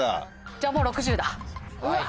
じゃあもう６０だうわ！